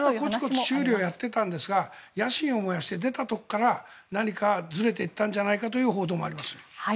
最初は修理をやっていたんですが野心を燃やして出たところから何かずれていったんじゃないかという報道もあります。